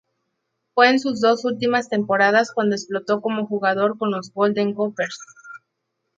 Fue en sus dos últimas temporadas cuando explotó como jugador con los Golden Gophers.